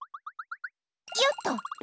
よっと！